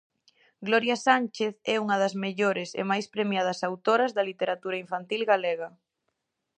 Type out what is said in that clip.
Gloria Sánchez é unha das mellores e máis premiadas autoras da literatura infantil galega.